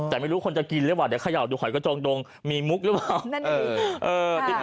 แต่ไม่รู้คนจะกินหรือเปล่าเดี๋ยวเขย่าดูหอยกระจองดงมีมุกหรือเปล่า